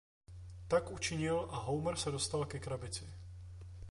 Tak učinil a Homer se dostal ke krabici.